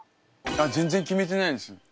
あっ全然決めてないです。